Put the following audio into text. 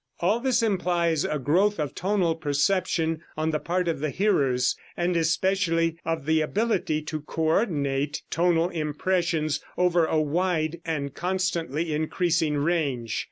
All this implies a growth of tonal perception on the part of the hearers, and especially of the ability to co ordinate tonal impressions over a wide and constantly increasing range.